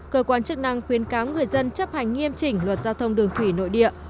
cơ quan chức năng khuyến cáo người dân chấp hành nghiêm chỉnh luật giao thông đường thủy nội địa